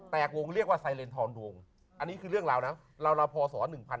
แตกวงเรียกว่าไซเรนทองดวงอันนี้คือเรื่องราวน้ำราวพอศอ๑๑๐๐๑๓๐๐